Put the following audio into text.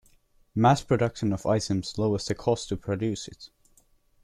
Mass production of items lowers the cost to produce it.